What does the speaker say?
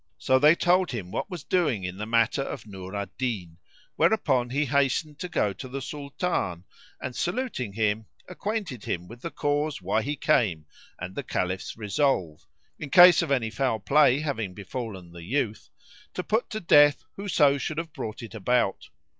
so they told him what was doing in the matter of Nur al Din; whereupon he hastened to go to the Sultan and saluting him, acquainted him with the cause why he came and the Caliph's resolve, in case of any foul play having befallen the youth, to put to death whoso should have brought it about.